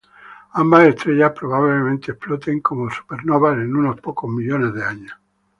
Ambas estrellas probablemente exploten como supernovas en unos pocos millones de años.